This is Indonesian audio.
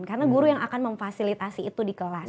karena guru yang akan memfasilitasi itu di kelas